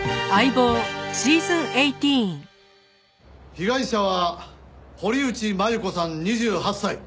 被害者は堀内真由子さん２８歳。